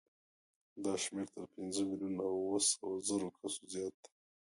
دا شمېر تر پنځه میلیونه او اوه سوه زرو کسو زیات دی.